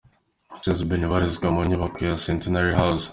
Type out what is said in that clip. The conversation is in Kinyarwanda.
Chez Benny ibarizwa mu nyubako ya Centenary House.